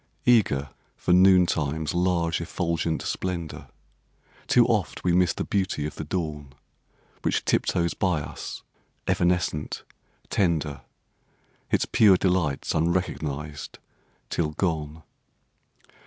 Eager for noon time's large effulgent splendour, Too oft we miss the beauty of the dawn, Which tiptoes by us, evanescent, tender, Its pure delights unrecognised till gone.